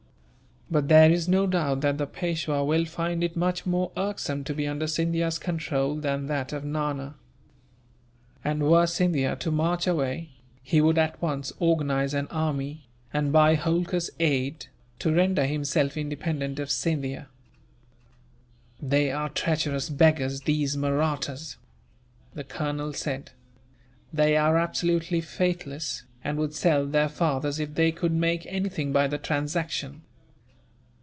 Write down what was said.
"But there is no doubt that the Peishwa will find it much more irksome to be under Scindia's control than that of Nana. And were Scindia to march away, he would at once organize an army, and buy Holkar's aid, to render himself independent of Scindia." "They are treacherous beggars, these Mahrattas," the colonel said. "They are absolutely faithless, and would sell their fathers if they could make anything by the transaction.